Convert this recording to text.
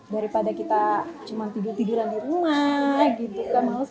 daripada kita cuma tidur tiduran di rumah gitu